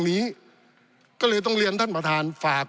ปี๑เกณฑ์ทหารแสน๒